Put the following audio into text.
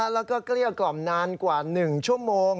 แล้วก็เกลี้ยกล่อมนานกว่า๑ชั่วโมง